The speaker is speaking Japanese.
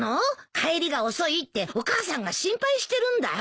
帰りが遅いってお母さんが心配してるんだよ。